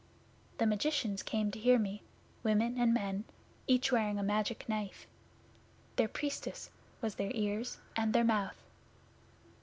The magicians came to hear me women and men each wearing a Magic Knife. Their Priestess was their Ears and their Mouth.